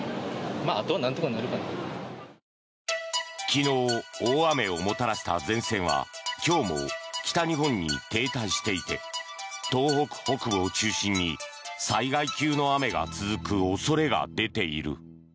昨日、大雨をもたらした前線は今日も北日本に停滞していて東北北部を中心に災害級の雨が続く恐れが出ている。